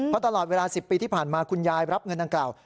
เพราะตลอดเวลา๑๐ปีที่ผ่านมาคุณยายรับเงินดังกล่าว